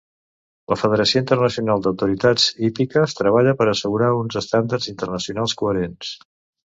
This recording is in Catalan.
La Federació Internacional d'Autoritats Hípiques treballa per assegurar uns estàndards internacionals coherents.